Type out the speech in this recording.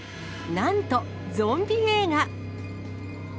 なんと、ゾンビ映画。